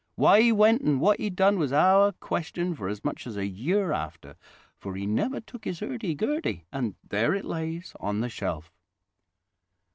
Why he went and what he done was our question for as much as a year after; for he never took his 'urdy gurdy, and there it lays on the shelf."